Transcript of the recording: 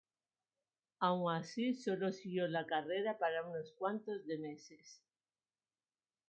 Aun así, sólo siguió la carrera para unos cuantos de meses.